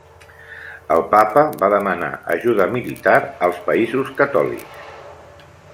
El Papa va demanar ajuda militar als països catòlics.